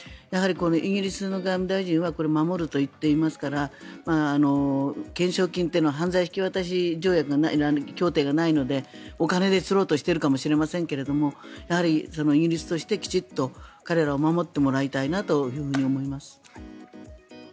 イギリスの外務大臣は守るといっていますから懸賞金というのは犯罪引き渡し協定がないのでお金で釣ろうとしているのかもしれませんがやはり、イギリスとしてきちんと彼らを守ってもらいたいなと思います。